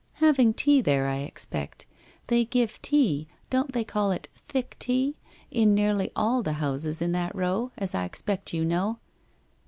' Having tea there, I expect. They give tea, don't they call it thick tea? — in nearly all the houses in that row, as I expect you know.